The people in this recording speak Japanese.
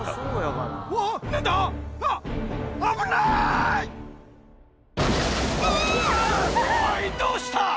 ・・おいどうした！